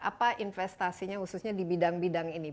apa investasinya khususnya di bidang bidang ini